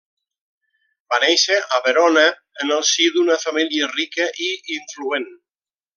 Va néixer a Verona en el si d'una família rica i influent.